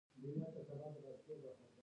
آیا پښتونولي د سولې درس نه دی؟